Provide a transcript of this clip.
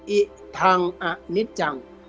อิทังอนิจัง